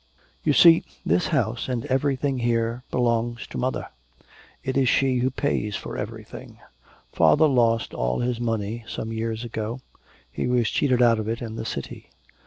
'You see, this house and everything here belongs to mother. It is she who pays for everything. Father lost all his money some years ago; he was cheated out of it in the city.